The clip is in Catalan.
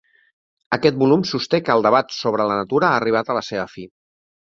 Aquest volum sosté que el debat sobre la natura ha arribat a la seva fi.